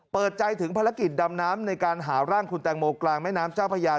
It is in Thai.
เปิดใจถึงภารกิจดำน้ำในการหาร่างคุณแตงโมกลางแม่น้ำเจ้าพญา